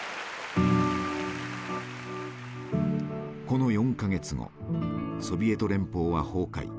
この４か月後ソビエト連邦は崩壊。